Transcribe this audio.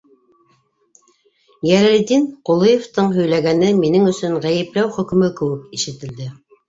Йәләлетдин Ҡулыевтың һөйләгәне минең өсөн ғәйепләү хөкөмө кеүек ишетелде.